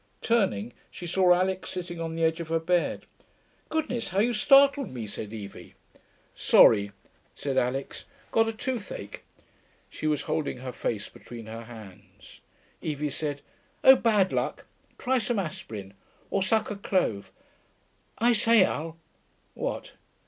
Turning, she saw Alix sitting on the edge of her bed. 'Goodness, how you startled me,' said Evie. 'Sorry,' said Alix. 'Got a toothache.' She was holding her face between her hands. Evie said, 'Oh, bad luck. Try some aspirin. Or suck a clove.... I say, Al.' 'What?'